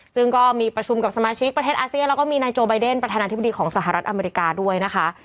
ซึ่งก็มีประชุมกับสมาชิกประเทศอาเซียนแล้วก็มีนายโจไบเดนประธานาธิบดีของสหรัฐอเมริกาด้วยนะคะ